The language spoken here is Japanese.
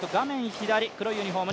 左黒いユニフォーム